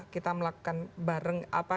kita melakukan bareng